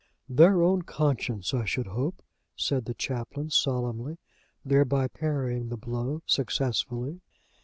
"Their own conscience, I should hope," said the Chaplain, solemnly, thereby parrying the blow successfully.